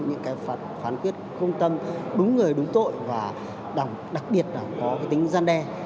những phán quyết công tâm đúng người đúng tội và đặc biệt là có tính gian đe